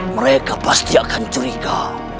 mereka pasti akan curiga